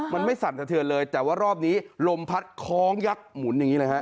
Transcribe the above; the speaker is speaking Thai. มันไม่สั่นสะเทือนเลยแต่ว่ารอบนี้ลมพัดคล้องยักษ์หมุนอย่างนี้เลยฮะ